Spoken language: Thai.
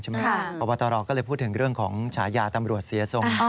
หรือปอบตะรอก็เลยพูดถึงกัณฑ์ฉายาตำรวจเสียสงฆ์